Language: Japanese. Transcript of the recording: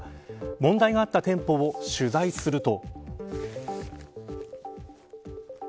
問題があった店舗を取材すると。